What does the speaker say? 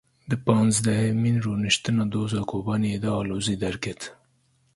Di panzdehemîn rûniştina Doza Kobaniyê de alozî derket.